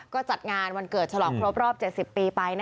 ก็จัดงานวันเกิดฉลองครบรอบ๗๐ปีไป